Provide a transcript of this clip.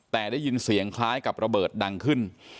แต่ได้ยินเสียงคล้ายกับระเบิดดังขึ้น